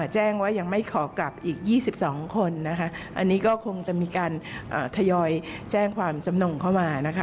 แจ้งว่ายังไม่ขอกลับอีก๒๒คนนะคะอันนี้ก็คงจะมีการทยอยแจ้งความจำนงเข้ามานะคะ